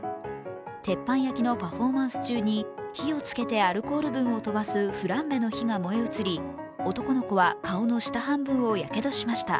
鉄板焼きのパフォーマンス中に火をつけてアルコール分を飛ばすフランベの火が燃え移り男の子は顔の下半分をやけどしました。